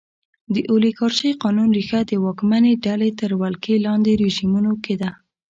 د اولیګارشۍ قانون ریښه د واکمنې ډلې تر ولکې لاندې رژیمونو کې ده.